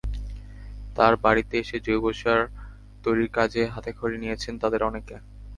তাঁর বাড়িতে এসে জৈব সার তৈরির কাজে হাতেখড়ি নিয়েছেন তাঁদের অনেকে।